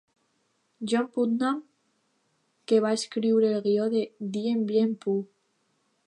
John Putnam, que va escriure el guió de "Dien Bien Phu!".